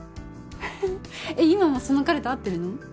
フフッ今もその彼と会ってるの？